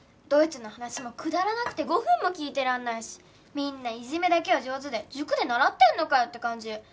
どいつの話もくだらなくて５分も聞いてらんないしみんないじめだけは上手で塾で習ってんのかよって感じ。